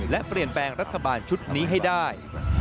และเปลี่ยนแปลงรัฐบาลชุดนี้ให้ได้